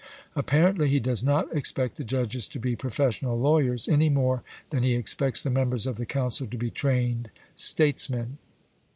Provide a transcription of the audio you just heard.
Apparently he does not expect the judges to be professional lawyers, any more than he expects the members of the council to be trained statesmen.